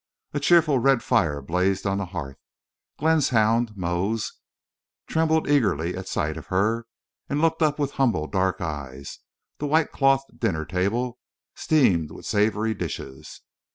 A cheerful red fire blazed on the hearth; Glenn's hound, Moze, trembled eagerly at sight of her and looked up with humble dark eyes; the white clothed dinner table steamed with savory dishes.